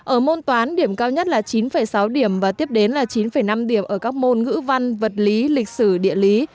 ở môn toán điểm cao nhất là chín sáu điểm và tiếp đến là chín năm điểm ở các môn ngữ văn vật lý lịch sử địa lý